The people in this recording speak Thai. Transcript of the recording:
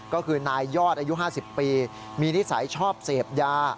ก็คือนายยอดอายุ๕๐ปีมีนิสัยชอบเสพยา